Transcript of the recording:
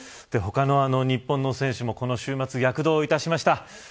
他の日本の選手もこの週末、躍動いたしました。